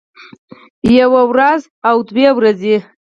يوه وروځه او دوه ورځې